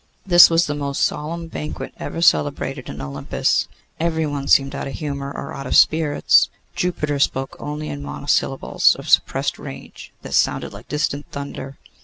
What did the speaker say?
This was the most solemn banquet ever celebrated in Olympus. Everyone seemed out of humour or out of spirits. Jupiter spoke only in monosyllables of suppressed rage, that sounded like distant thunder.